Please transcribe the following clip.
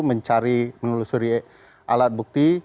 mencari menelusuri alat bukti